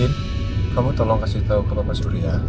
din kamu tolong kasih tau ke bapak suri ya